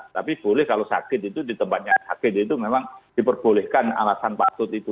tapi boleh kalau sakit itu di tempatnya sakit itu memang diperbolehkan alasan patut itu